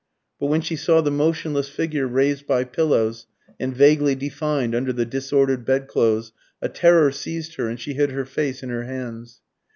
But when she saw the motionless figure raised by pillows, and vaguely defined under the disordered bedclothes, a terror seized her, and she hid her face in her hands.